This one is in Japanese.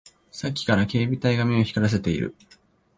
さっきから警備隊が目を光らせている